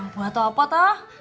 buat apa toh